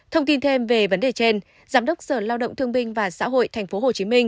thông tin thêm về vấn đề trên giám đốc sở lao động thương binh và xã hội tp hcm